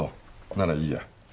ならいいや。